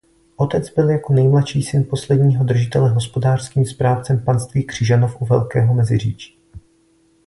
Otec byl jako nejmladší syn posledního držitele hospodářským správcem panství Křižanov u Velkého Meziříčí.